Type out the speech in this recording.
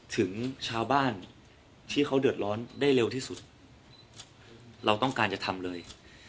ถึงชาวบ้านที่เขาเดือดร้อนได้เร็วที่สุดเราต้องการจะทำเลย